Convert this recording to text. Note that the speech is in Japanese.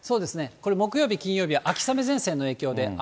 これ、木曜日、金曜日は秋雨前線の影響で雨。